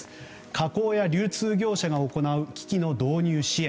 加工や流通業者が行う機器の導入支援。